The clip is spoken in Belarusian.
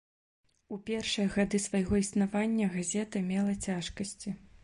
У першыя гады свайго існавання газета мела цяжкасці.